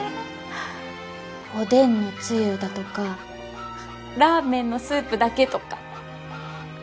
おでんのつゆだとかラーメンのスープだけとか。